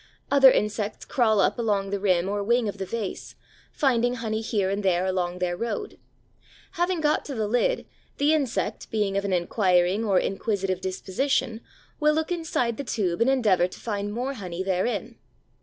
Other insects crawl up along the rim or wing of the vase, finding honey here and there along their road. Having got to the lid, the insect, being of an inquiring or inquisitive disposition, will look inside the tube and endeavour to find more honey therein.